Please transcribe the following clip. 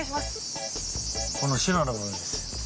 この白い部分です。